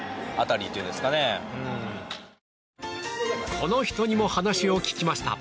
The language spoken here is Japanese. この人にも話を聞きました。